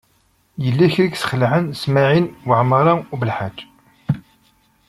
Yella kra ay yesxelɛen Smawil Waɛmaṛ U Belḥaǧ.